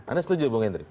anda setuju bang hendry